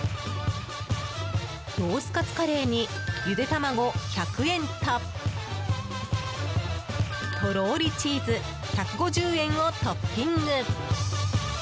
ロースかつカレーにゆで玉子、１００円ととろりチーズ、１５０円をトッピング。